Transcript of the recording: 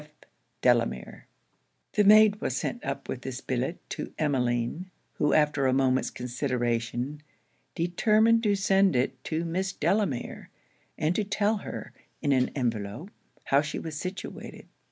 F. DELAMERE.' The maid was sent up with this billet to Emmeline; who, after a moment's consideration, determined to send it to Miss Delamere, and to tell her, in an envelope, how she was situated.